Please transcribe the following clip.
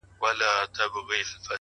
مهربان الفاظ ژور اغېز لري’